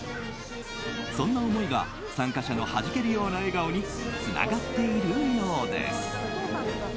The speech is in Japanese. そんな思いが参加者のはじけるような笑顔につながっているようです。